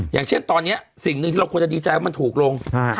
อย่างเช่นตอนนี้สิ่งหนึ่งที่เราควรจะดีใจว่ามันถูกลง